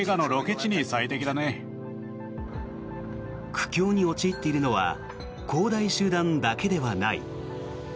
苦境に陥っているのは恒大集団だけではない。